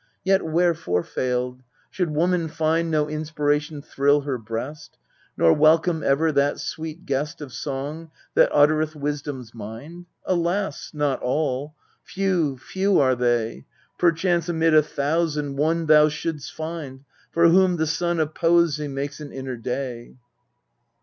Yet wherefore failed ? Should woman find No inspiration thrill her breast, Nor welcome ever that sweet guest Of Song, that uttereth Wisdom's mind? Alas! not all! Few, few are they Perchance amid a thousand one Thou shouldest find for whom the sun Of poesy makes an inner day.